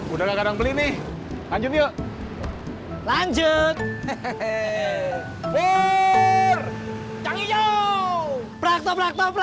udah kadang beli nih lanjut lanjut